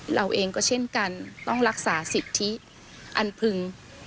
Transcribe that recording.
เราเองก็เช่นกันต้องรักษาสิทธิอันพึง